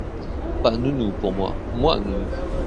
Pas nounou pour moi ! moi nounou.